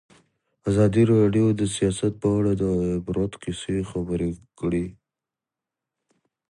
ازادي راډیو د سیاست په اړه د عبرت کیسې خبر کړي.